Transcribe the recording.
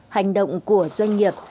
hành động của doanh nghiệp